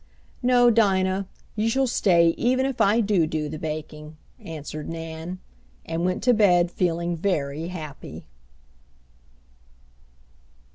"No, Dinah, you shall stay even if I do do the baking," answered Nan; and went to bed feeling very happy.